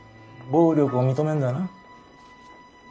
暴力を認めるんだな？